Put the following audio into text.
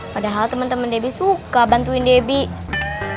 padahal temen temen debbie suka bantuin debbie